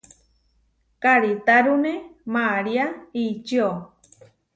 Karitárune María ičió.